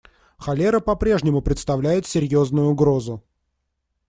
Холера по-прежнему представляет серьезную угрозу.